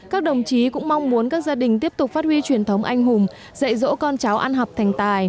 các đồng chí cũng mong muốn các gia đình tiếp tục phát huy truyền thống anh hùng dạy dỗ con cháu ăn học thành tài